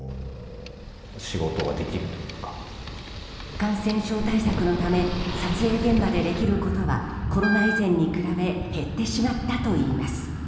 感染症対策のため撮影現場でできることはコロナ以前に比べて減ってしまったといいます。